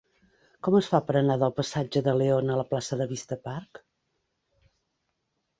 Com es fa per anar del passatge de León a la plaça de Vista Park?